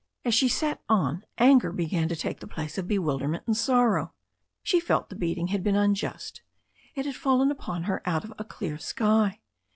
As she sat on anger began to take the place of bewilderment and sorrow. She felt the beating had been unjust. It had fallen upon her out of a clear sky.